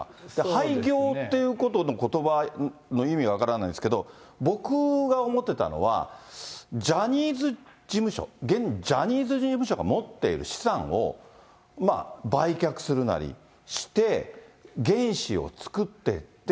廃業っていうことの、ことばの意味は分からないですけど、僕が思ってたのは、ジャニーズ事務所、現ジャニーズ事務所が持っている資産を売却するなりして、原資を作ってって、